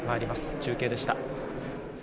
中継でした。